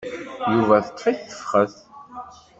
Yuba teṭṭef-it tefxet.